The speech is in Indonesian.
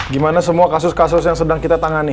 gimana semua kasus kasus yang sedang kita tangani